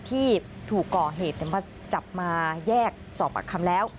ที่ถูกก่อเหตุมาจับมาแยกสอบปากคำแล้ว